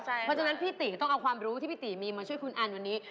เพราะฉะนั้นพี่ติก็ต้องเอาความรู้ที่พี่ตีมีมาช่วยคุณอันวันนี้